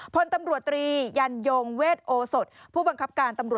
แต่แท้เนี่ยเป็นชาวอำเภอซัตตาหิบ